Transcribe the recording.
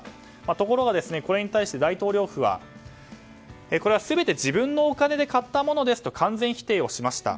ところがこれに対して大統領府はこれは全て自分のお金で買ったものですと完全否定をしました。